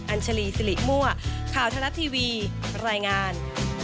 อัชรีสิริมั่วข่าวทะลัดทีวีรายงาน